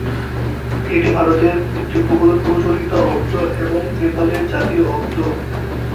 এটি ভারতের একটি বহুল প্রচলিত অব্দ এবং নেপালের জাতীয় অব্দ।